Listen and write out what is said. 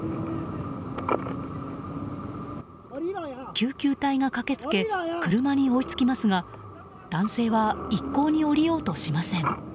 救急隊が駆け付け車に追いつきますが男性は一向に降りようとしません。